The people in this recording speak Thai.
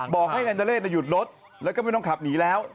บอกให้นายนเรศหยุดรถแล้วก็ไม่ต้องขับหนีแล้ว